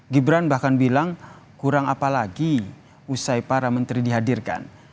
gibran bahkan bilang kurang apa lagi usai para menteri dihadirkan